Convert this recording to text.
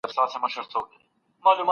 ستا پر سره ګلاب چي و غوړېږمه